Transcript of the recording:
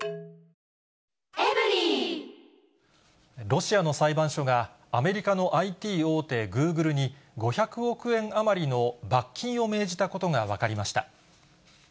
ロシアの裁判所が、アメリカのＩＴ大手、グーグルに、５００億円余りの罰金を命じたことが分かりました。